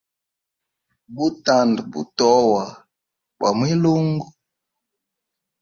Butanda butoa bwa mwilungu.